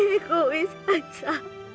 aku ini egois aisyah